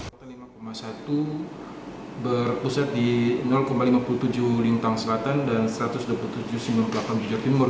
kota lima satu berpusat di lima puluh tujuh lintang selatan dan satu ratus dua puluh tujuh sembilan puluh delapan tujuan timur